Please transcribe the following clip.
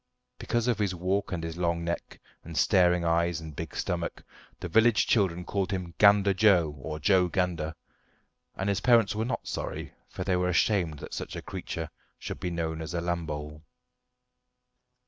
Because of his walk and his long neck, and staring eyes and big stomach, the village children called him "Gander Joe" or "Joe Gander"; and his parents were not sorry, for they were ashamed that such a creature should be known as a Lambole.